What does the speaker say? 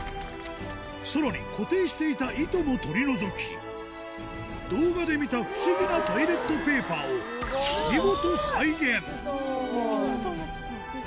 さらに固定していた糸も取り除き動画で見た不思議なトイレットペーパーをできないと思ってた。